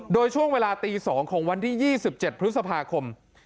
โดยช่วงเวลาตีสองของวันที่ยี่สิบเจ็ดพฤษภาคม